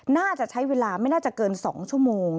น่าจะใช้เวลาไม่น่าจะเกิน๒ชั่วโมง